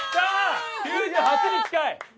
９８に近い！